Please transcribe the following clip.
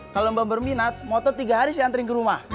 kalau mbak berminat motor tiga hari saya antri ke rumah